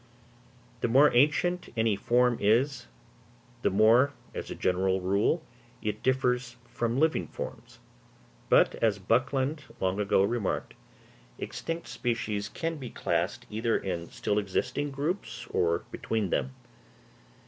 The more ancient any form is, the more, as a general rule, it differs from living forms. But, as Buckland long ago remarked, extinct species can all be classed either in still existing groups, or between them.